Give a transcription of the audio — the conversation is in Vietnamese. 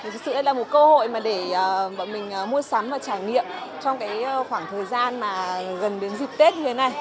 thật sự đây là một cơ hội để bọn mình mua sắm và trải nghiệm trong khoảng thời gian gần đến dịp tết như thế này